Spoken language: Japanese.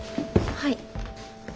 はい。